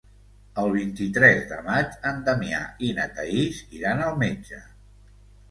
El vint-i-tres de maig en Damià i na Thaís iran al metge.